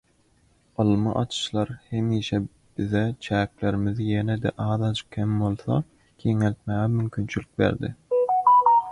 Ylmy açyşlar hemişe bize çäklerimizi ýene-de azajyk hem bolsa giňeltmäne mümkinçilik berdi.